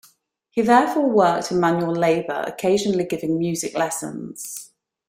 He thereafter worked in manual labor, occasionally giving music lessons.